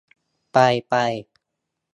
ไปไป